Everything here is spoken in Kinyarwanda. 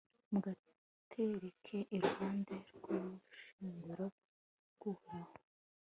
mugatereke iruhande rw'ubushyinguro bw'uhoraho